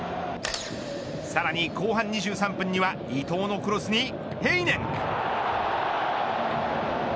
さらに後半２３分には伊東のクロスにヘイネン。